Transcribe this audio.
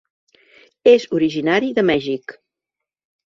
És originari de Mèxic.